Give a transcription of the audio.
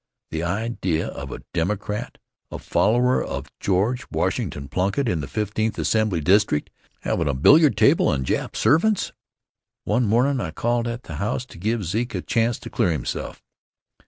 The idea of a Democrat, a follower of George Washington Plunkitt in the Fifteenth Assembly District havin' a billiard table and Jap servants! One mornin' I called at the house to give Zeke a chance to clear himself.